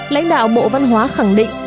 lãnh đạo bộ văn hóa khẳng định